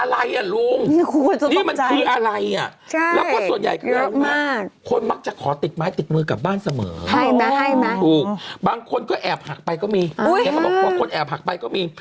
อะไรลุงนี่มันคืออะไรน่ะคุณควรจะต้องใจ